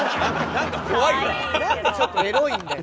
なんかちょっとエロいんだよ